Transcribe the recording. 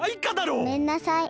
ごめんなさい。